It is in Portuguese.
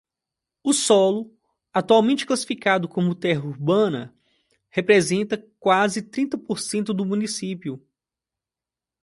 O solo atualmente classificado como terra urbana representa quase trinta por cento do município.